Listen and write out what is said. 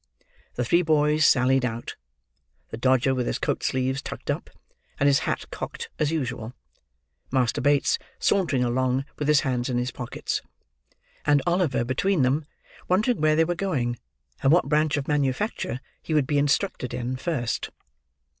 The three boys sallied out; the Dodger with his coat sleeves tucked up, and his hat cocked, as usual; Master Bates sauntering along with his hands in his pockets; and Oliver between them, wondering where they were going, and what branch of manufacture he would be instructed in, first.